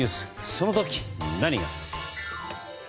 その時、何が。